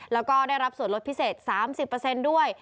แล้วก็ได้รับส่วนลดพิเศษ๓๐ด้วย